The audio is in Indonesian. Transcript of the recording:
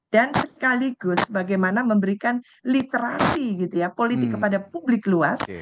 sekaligus bagaimana memberikan literasi gitu ya politik kepada publik luas